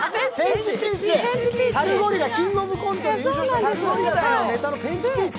サルゴリラ、「キングオブコント」で優勝したネタのペンチピーチ。